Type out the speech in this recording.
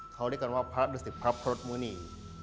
เขียวเรียกว่าพระฤาษิพระพระรดมวนี